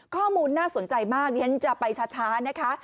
ข้อมูลน่าสนใจมากดิฉันจะไปช้านะคะ